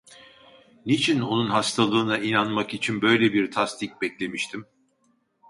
Niçin onun hastalığına inanmak için böyle bir tasdik beklemiştim?